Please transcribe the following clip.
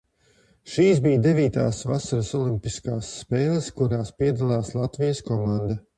Šīs bija devītās vasaras olimpiskās spēles, kurās piedalās Latvijas komanda.